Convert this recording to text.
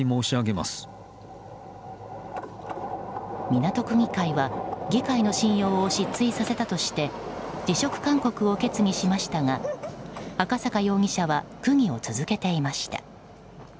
港区議会は議会の信用を失墜させたとして辞職勧告を決議しましたが赤坂容疑者は区議を続けていました。